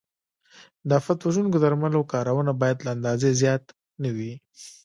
د آفت وژونکو درملو کارونه باید له اندازې زیات نه وي.